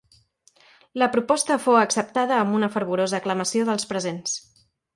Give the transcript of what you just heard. La proposta fou acceptada amb una fervorosa aclamació dels presents.